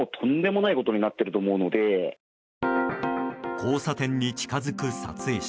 交差点に近づく撮影者。